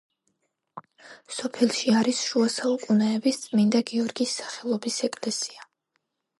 სოფელში არის შუა საუკუნეების წმინდა გიორგის სახელობის ეკლესია.